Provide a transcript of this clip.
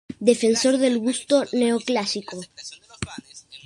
Defensor del gusto neoclásico.